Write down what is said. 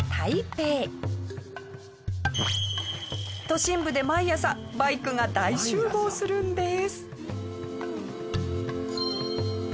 都心部で毎朝バイクが大集合するんです。